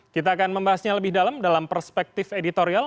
kita akan membahasnya lebih dalam dalam perspektif editorial